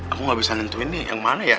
aku gak bisa nentuin nih yang mana ya